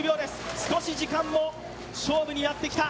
少し時間も勝負になってきた。